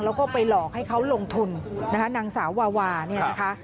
แล้วก็ไปหลอกให้เขาลงทุนนะคะนางสาววาวาเนี่ยนะคะ